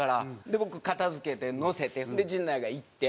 僕片付けて載せて陣内が行って。